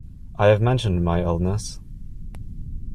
I have mentioned my illness.